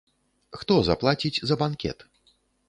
Хто заплаціць за банкет?